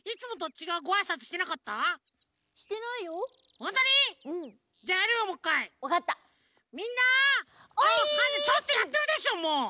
ちょっとやってるでしょもう！